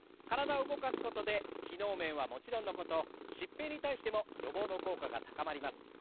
体を動かすことで機能面はもちろんのこと疾病に対しても予防の効果が高まります。